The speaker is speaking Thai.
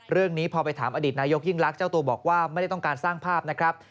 เรื่องนี้พอไปถามอดีตนายกยิ่งรักเจ้าตัวบอกว่าไม่ได้ต้องการสร้างภาพนะครับ